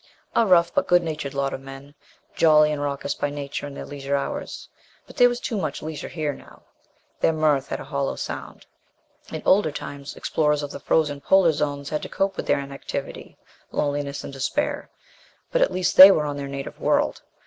A rough but good natured lot of men. Jolly and raucous by nature in their leisure hours. But there was too much leisure here now. Their mirth had a hollow sound. In older times, explorers of the frozen Polar zones had to cope with inactivity, loneliness and despair. But at least they were on their native world.